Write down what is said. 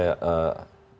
jadi pemilu serentak ya